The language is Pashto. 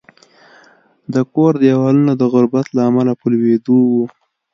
د کور دېوالونه د غربت له امله په لوېدو وو